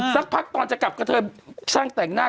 สักพักตอนจะกลับกระเทยช่างแต่งหน้า